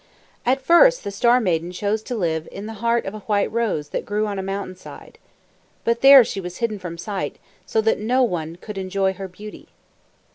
At first the Star Maiden chose to live in the heart of a white rose that grew on a mountain side. But there she was hidden from sight, so that no one could enjoy her beauty.